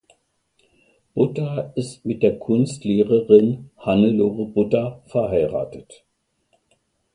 Butter ist mit der Kunstlehrerin Hannelore Butter verheiratet.